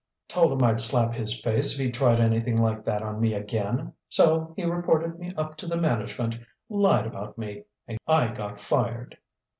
"Told him I'd slap his face if he tried anything like that on me again. So he reported me up to the management lied about me and I got fired."